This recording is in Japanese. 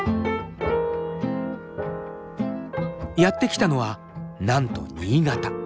やって来たのはなんと新潟。